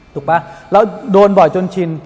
ป่ะเราโดนบ่อยจนชิน